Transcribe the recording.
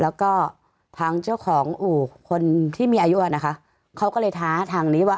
แล้วก็ทางเจ้าของอู่คนที่มีอายุอะนะคะเขาก็เลยท้าทางนี้ว่า